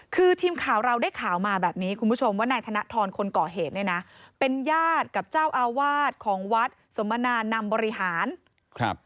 คือทีมข่าวเราได้ข่าวมาแบบนี้คุณผู้ชมว่านายธนทรคนก่อเหตุเนี่ยนะเป็นญาติกับเจ้าอาวาสของวัดสมนานำบริหารครับ